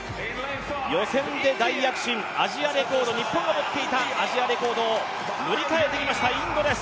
予選で大躍進、日本が持っていたアジアレコードを塗り替えてきました、インドです。